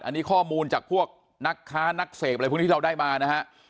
อันนี้ข้อมูลจากพวกนักค้านักเสพอะไรพวกนี้เราได้มานะฮะ